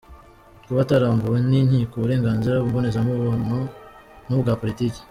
Kuba atarambuwe n’inkiko uburenganzira mbonezamubano n’ubwa politiki;.